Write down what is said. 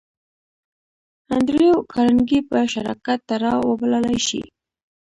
انډريو کارنګي به شراکت ته را وبللای شې؟